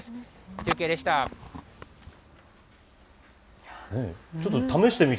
中継でした。